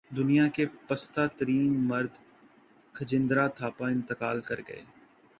دنیا کے پستہ ترین مرد کھجیندرا تھاپا انتقال کر گئے